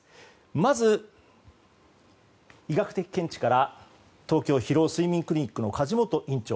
まず、医学的見地から東京疲労・睡眠クリニックの梶本院長